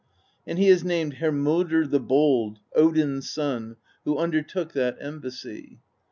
And heisnamedHermodr the Bold, Odin's son, who under took that embassy.